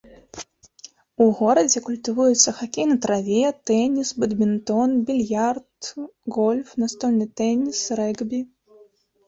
У горадзе культывуюцца хакей на траве, тэніс, бадмінтон, більярд, гольф, настольны тэніс, рэгбі.